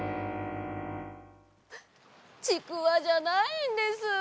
ちくわじゃないんです。